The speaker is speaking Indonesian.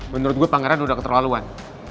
menurut gue pangeran udah keterlaluan